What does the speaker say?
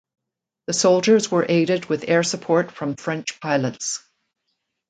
The soldiers were aided with air support from French pilots.